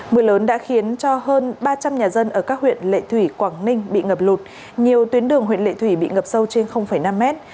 mưa lớn đã khiến cho hơn ba trăm linh nhà dân ở các huyện lệ thủy quảng ninh bị ngập lụt nhiều tuyến đường huyện lệ thủy bị ngập sâu trên năm mét